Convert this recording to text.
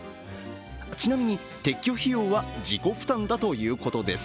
ちなみに撤去費用は自己負担だということです。